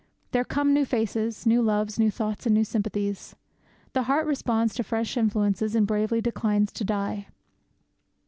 There come new faces, new loves, new thoughts, and new sympathies. The heart responds to fresh influences and bravely declines to die.